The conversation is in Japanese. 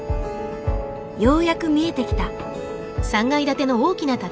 ようやく見えてきた。